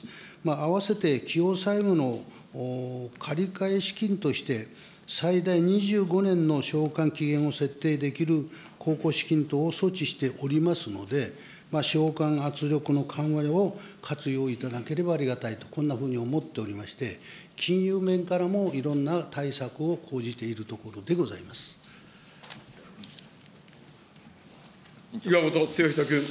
あわせて債務の借り換え資金として、最大２５年の償還期限を設定できる公庫資金等を措置しておりますので、償還圧力の緩和を活用できればありがたいと、こんなふうに思っておりまして、金融面からもいろんな対策を講じているところでござ岩本剛人君。